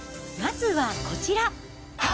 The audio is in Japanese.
まずはこちら。